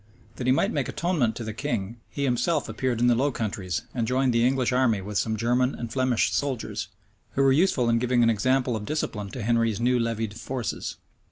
That he might make atonement to the king, he himself appeared in the Low Countries, and joined the English army with some German and Flemish soldiers, who were useful in giving an example of discipline to Henry's new levied forces.